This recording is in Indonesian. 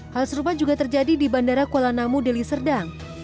hal serupa juga terjadi di bandara kuala namu deli serdang